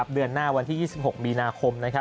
เดือนหน้าวันที่๒๖มีนาคม